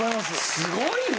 すごいな！